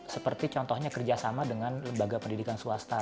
seperti contohnya kerjasama dengan lembaga pendidikan swasta